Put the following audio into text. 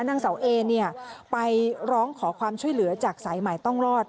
นางเสาเอเนี่ยไปร้องขอความช่วยเหลือจากสายใหม่ต้องรอด